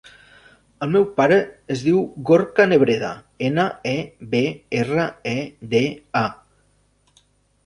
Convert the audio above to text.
El meu pare es diu Gorka Nebreda: ena, e, be, erra, e, de, a.